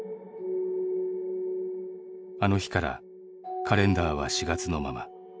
あの日からカレンダーは４月のまま。